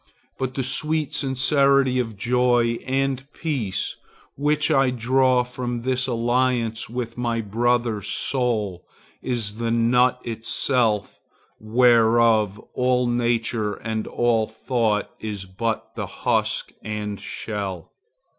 But the sweet sincerity of joy and peace which I draw from this alliance with my brother's soul is the nut itself whereof all nature and all thought is but the husk and shell.